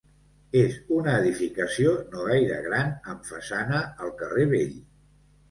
És una edificació no gaire gran amb façana al carrer vell.